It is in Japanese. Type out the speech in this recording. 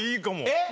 えっ？